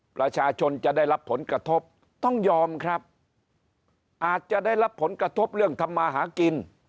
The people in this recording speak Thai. ประชาชนจะได้รับผลกระทบต้องยอมครับอาจจะได้รับผลกระทบเรื่องทำมาหากิน